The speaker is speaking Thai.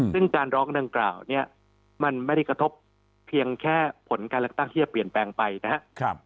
ซึ่งการร้องดังกล่าวเนี่ยมันไม่ได้กระทบเพียงแค่ผลการเลือกตั้งที่จะเปลี่ยนแปลงไปนะครับ